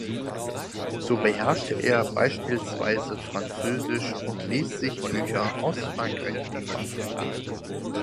So beherrschte er beispielsweise Französisch und ließ sich Bücher aus Frankreich liefern.